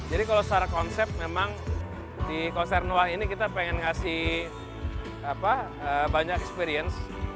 jadi kalau secara konsep memang di konser noah ini kita pengen ngasih banyak experience